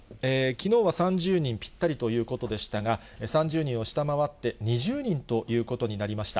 きのうは３０人ぴったりということでしたが、３０人を下回って２０人ということになりました。